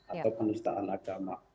atau penistaan agama